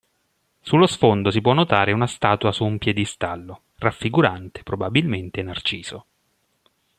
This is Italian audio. Sullo sfondo si può notare una statua su un piedistallo, raffigurante probabilmente Narciso.